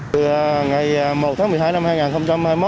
từ ngày một tháng một mươi hai năm hai nghìn hai mươi một